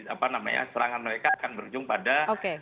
apa namanya serangan mereka akan berujung pada